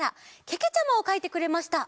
けけちゃまをかいてくれました。